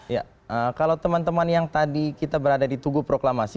ya kalau teman teman yang tadi kita berada di tugu proklamasi